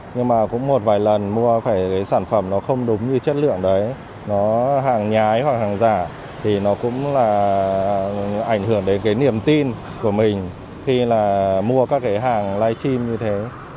nhưng mà cũng một vài lần mua phải cái sản phẩm nó không đúng như chất lượng đấy nó hàng nhái hoặc hàng giả thì nó cũng là ảnh hưởng đến cái niềm tin của mình khi là mua các cái hàng live stream như thế